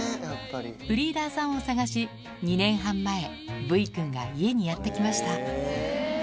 ブリーダーさんを探し２年半前ブイくんが家にやって来ました